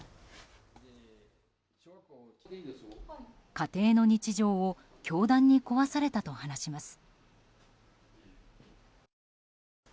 家庭の日常を教団に壊されたと話します。